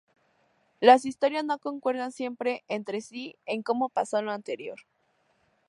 Las historias no concuerdan siempre entre sí en cómo pasó lo anterior.